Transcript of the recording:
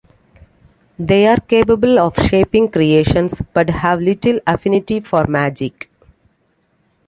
They are capable of shaping creations, but have little affinity for magic.